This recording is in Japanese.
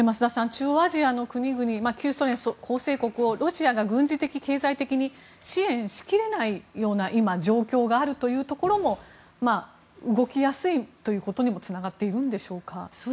中央アジアの国々旧ソ連構成国をロシアが軍事的、経済的に支援しきれないような状況があるというところも動きやすいということにもつながっているんでしょうか。